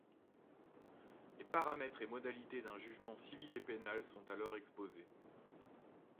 Les paramètres et modalités d'un jugement civil et pénal sont alors exposés.